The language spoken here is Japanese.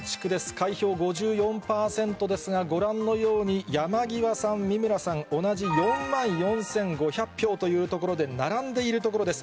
開票５４％ですが、ご覧のように山際さん、三村さん、同じ４万４５００票というところで、並んでいるところです。